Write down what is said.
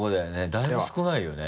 だいぶ少ないよね。